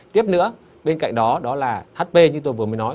tiếp nữa bên cạnh đó đó là hp như tôi vừa mới nói